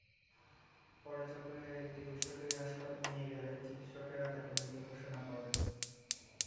পরে চকরিয়ার একটি বেসরকারি হাসপাতালে নিয়ে গেলে চিকিৎসকেরা তাকে মৃত ঘোষণা করেন।